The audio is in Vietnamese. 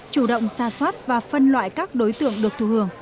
chủ động xa xoát và phân loại các đối tượng được thù hưởng